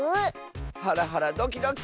ハラハラドキドキ！